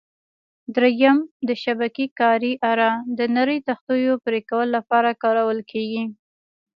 درېیم: د شبکې کارۍ اره: د نرۍ تختو پرېکولو لپاره کارول کېږي.